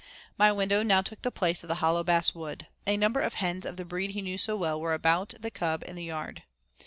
My window now took the place of the hollow bass wood. A number of hens of the breed he knew so well were about the cub in the yard.